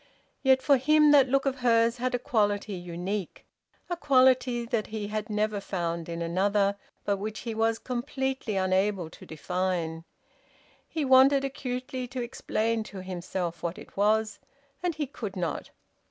Yet for him that look of hers had a quality unique, a quality that he had never found in another, but which he was completely unable to define. He wanted acutely to explain to himself what it was, and he could not.